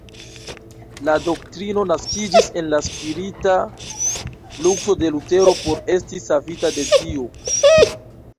La doktrino naskiĝis en la spirita lukto de Lutero por esti savita de Dio.